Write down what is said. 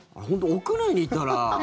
屋内にいたら。